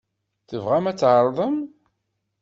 Tebɣam ad tɛerḍem?